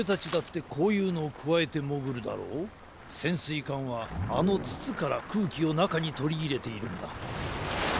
いかんはあのつつからくうきをなかにとりいれているんだ。